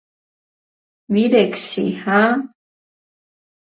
მირექ სი ჰა ?